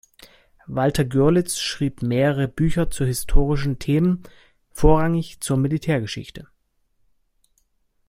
Walter Görlitz schrieb mehrere Bücher zu historischen Themen, vorrangig zur Militärgeschichte.